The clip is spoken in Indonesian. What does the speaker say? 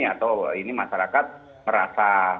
atau ini masyarakat merasa